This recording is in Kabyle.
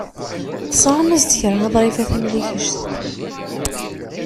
Tesɣam-as-d kra i Ḍrifa Tamlikect.